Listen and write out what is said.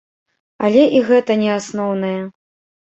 Але і гэта не асноўнае.